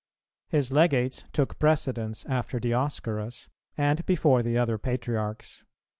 His legates took precedence after Dioscorus and before the other Patriarchs.